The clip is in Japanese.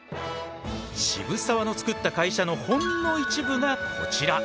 渋沢のつくった会社のほんの一部がこちら。